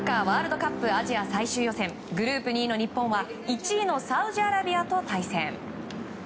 ワールドカップアジア最終予選グループ２位の日本は１位のサウジアラビアと対戦。